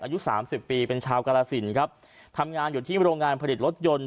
อายุสามสิบปีเป็นชาวกรสินครับทำงานอยู่ที่โรงงานผลิตรถยนต์